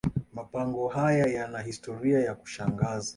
mapango haya yana historia ya kushangaza